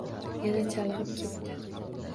Yana chalg`ib ketdi